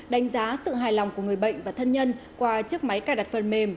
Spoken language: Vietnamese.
đánh giá sự hài lòng của người bệnh và thân nhân qua chiếc máy cài đặt phần mềm